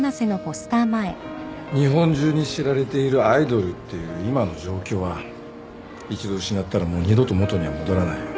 日本中に知られているアイドルっていう今の状況は一度失ったらもう二度と元には戻らないよ。